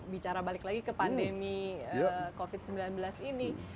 bicara balik lagi ke pandemi covid sembilan belas ini